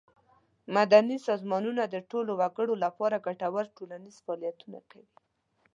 مدني سازمانونه د ټولو وګړو له پاره ګټور ټولنیز فعالیتونه کوي.